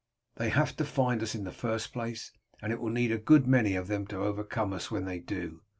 They have to find us in the first place, and it will need a good many of them to overcome us when they do.